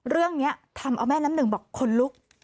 เรื่องนี้ทำเอาแม่น้ำหนึ่งบอกคนลุก